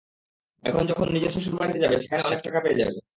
এখন যখন নিজের শ্বশুরবাড়িতে যাবে, সেখানে অনেখ টাকা পেয়ে যাবে।